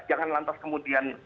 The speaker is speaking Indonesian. jangan lantas kemudian